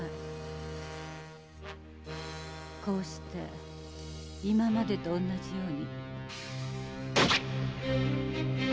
こうして今までと同じように。